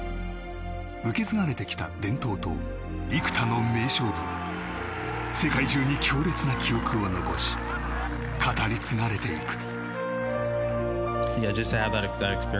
受け継がれてきた伝統と幾多の名勝負は世界中に強烈な記憶を残し語り継がれていく。